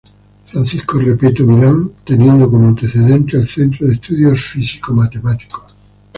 Francisco Repetto Milán, teniendo como antecedente el Centro de Estudios Físico-Matemáticos.